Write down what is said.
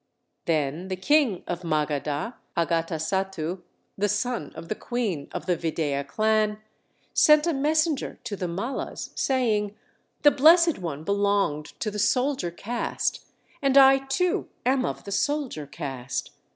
Then the king of Magadha, Agatasattu, the son of the queen of the Videha clan, sent a messenger to the Mallas, saying, "The Blessed One belonged to the soldier caste, and I too am of the soldier caste.